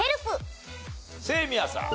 清宮さん。